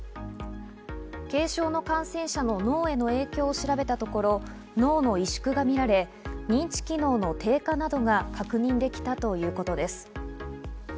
軽症の感染者の脳への影響を調べたところ、脳の萎縮が見られ、認知機能の低下などが確認できたということです。